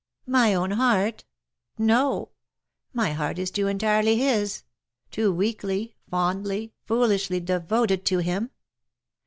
" My own heart ? No ; my heart is too entirely his — too weakly, fondly, foolishly, devoted to him.